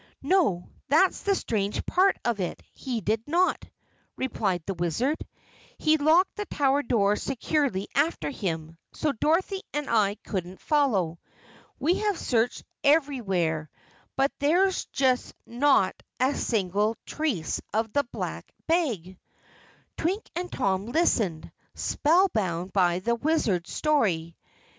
"No, that's the strange part of it, he did not," replied the Wizard. "He locked the tower door securely after him, so Dorothy and I couldn't follow. We have searched everywhere, but there just is not a single trace of the Black Bag." Twink and Tom listened, spellbound by the Wizard's story.